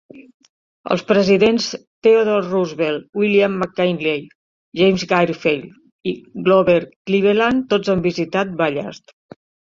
Els presidents Theodore Roosevelt, William McKinley, James Garfield i Grover Cleveland, tots han visitat Ballast.